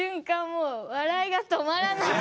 もう笑いが止まらない。